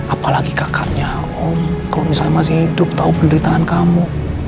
apalagi kakaknya om kalau misalnya masih hidup tahu penderitaan kamu